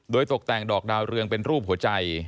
โดยตกแต่งดอกดาวเรืองเป็นรูปหัวใจ